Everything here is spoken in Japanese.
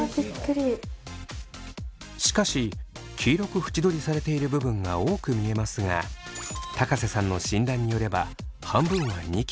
しかし黄色く縁取りされている部分が多く見えますが瀬さんの診断によれば半分はニキビだそう。